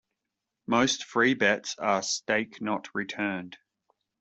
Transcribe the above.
Most free bets are stake not returned.